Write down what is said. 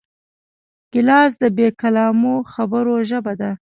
ګیلاس د بېکلامو خبرو ژبه ده.